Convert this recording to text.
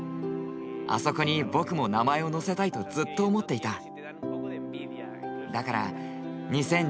あそこに僕も名前を載せたいとずっと思っていた。